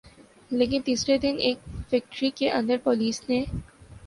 لیکن تیسرے دن ایک فیکٹری کے اندر پولیس نے